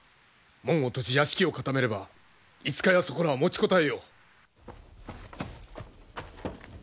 門を閉じ屋敷を固めれば５日やそこらは持ちこたえよう。